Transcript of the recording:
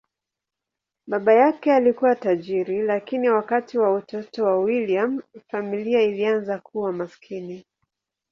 Baba yake alikuwa tajiri, lakini wakati wa utoto wa William, familia ilianza kuwa maskini.